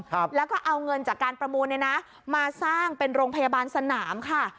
ครับแล้วก็เอาเงินจากการประมูลเนี่ยนะมาสร้างเป็นโรงพยาบาลสนามค่ะ